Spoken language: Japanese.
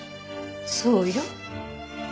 そうよ。